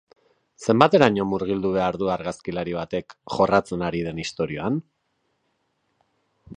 Zenbateraino murgildu behar du argazkilari batek jorratzen ari den istorioan?